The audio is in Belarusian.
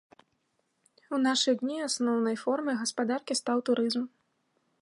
У нашы дні асноўнай формай гаспадаркі стаў турызм.